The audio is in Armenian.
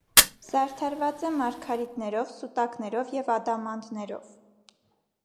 Զարդարված է մարգարիտներով, սուտակներով և ադամանդներով։